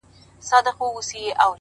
ولي مي هره شېبه هر ساعت پر اور کړوې!